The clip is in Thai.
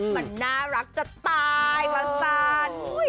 มันน่ารักจะตายมันน่ารักตาย